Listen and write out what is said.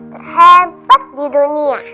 terhebat di dunia